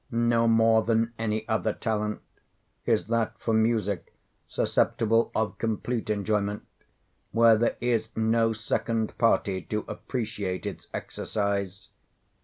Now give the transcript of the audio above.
No more than any other talent, is that for music susceptible of complete enjoyment, where there is no second party to appreciate its exercise.